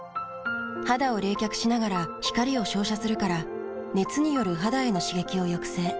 肌を冷却しながら光を照射するから熱による肌への刺激を抑制。